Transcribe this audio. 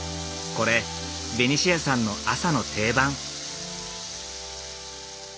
これベニシアさんの朝の定番。